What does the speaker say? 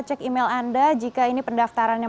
cek email anda jika ini pendaftarannya